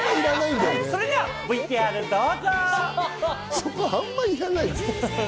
それではＶＴＲどうぞ！